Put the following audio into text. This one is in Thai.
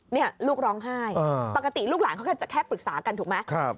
นี่ลูกร้องไห้ปกติลูกหลานเขาก็จะแค่ปรึกษากันถูกไหม